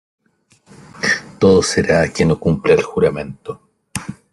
todo será que no cumpla el juramento.